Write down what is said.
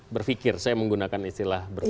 berfikir saya menggunakan istilah berfikir